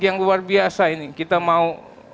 yang luar biasa ini kita mau